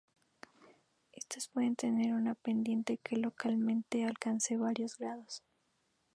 Estas pueden tener una pendiente que localmente alcance varios grados.